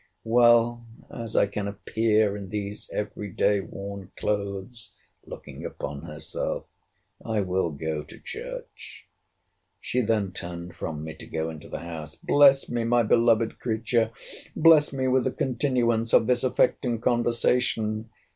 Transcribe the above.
] Well, as I can appear in those every day worn clothes—looking upon herself—I will go to church. She then turned from me to go into the house. Bless me, my beloved creature, bless me with the continuance of this affecting conversation.